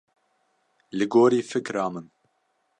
Li gorî fikra min.